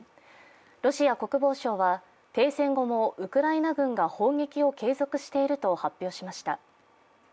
ロシア国防省は停戦後もウクライナ軍が砲撃を継続していると発表しました。